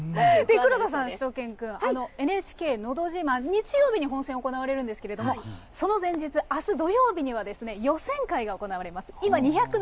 黒田さん、しゅと犬くん、ＮＨＫのど自慢、日曜日に本選、行われるんですけれどもその前日、あす土曜日には予選会が行われます。